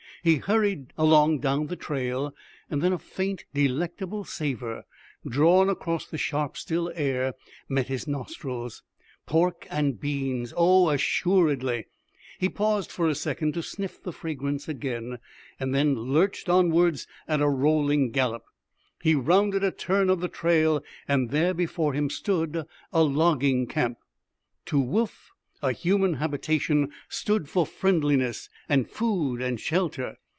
He hurried along down the trail. Then a faint, delectable savor, drawn across the sharp, still air, met his nostrils. Pork and beans oh, assuredly! He paused for a second to sniff the fragrance again, and then lurched onwards at a rolling gallop. He rounded a turn of the trail, and there before him stood a logging camp. To Woof a human habitation stood for friendliness and food and shelter.